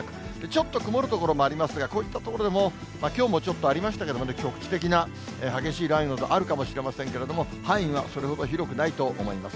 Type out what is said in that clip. ちょっと曇る所もありますが、こういった所でも、きょうもちょっとありましたけど、局地的な激しい雷雨などあるかもしれませんけれども、範囲はそれほど広くないと思います。